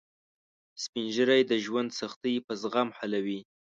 سپین ږیری د ژوند سختۍ په زغم حلوي